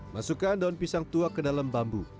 masukkan daun pisang tua ke dalam bambu